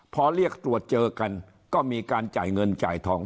พอเรียกตรวจเจอกันก็มีการจ่ายเงินจ่ายทอง